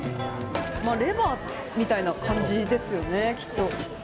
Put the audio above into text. レバーみたいな感じですよねきっと。